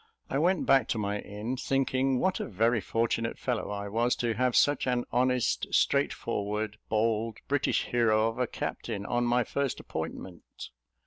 I went back to my inn, thinking what a very fortunate fellow I was to have such an honest, straight forward, bold, British hero of a captain, on my first appointment.